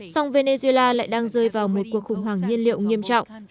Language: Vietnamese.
song venezuela lại đang rơi vào một cuộc khủng hoảng nhiên liệu nghiêm trọng